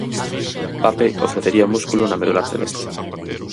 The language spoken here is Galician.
Pape ofrecería músculo na medular celeste.